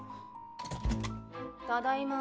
ただいま。